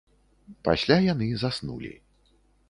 Пасля яны заснулі